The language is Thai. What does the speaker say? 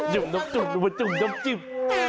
จุ่มน้ำจุ่มจุ่มน้ำจุ่ม